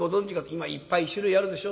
今いっぱい種類あるでしょ？